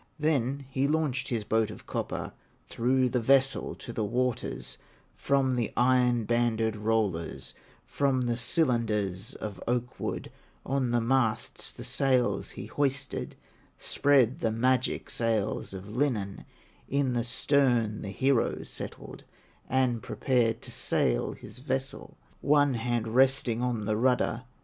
Then he launched his boat of copper, Threw the vessel to the waters, From the iron banded rollers, From the cylinders of oak wood, On the masts the sails he hoisted, Spread the magic sails of linen, In the stern the hero settled And prepared to sail his vessel, One hand resting on the rudder.